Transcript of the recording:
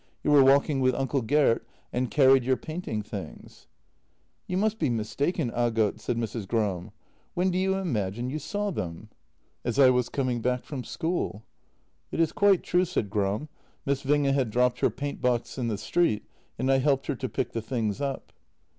You were walking with Uncle Gert, and carried your painting things." " You must be mistaken, Aagot," said Mrs. Gram. " When do you imagine you saw them? "" The day before Intercession Day, as I was coming back from school." " It is quite true," said Gram. " Miss Winge had dropped her paintbox in the street, and I helped her to pick the things up."